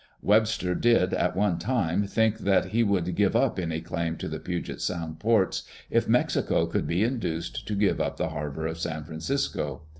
Webster did, at one time, think that he would give up any claim to the Puget Sound ports if Mexico could be induced to give up the harbor of San Francisco.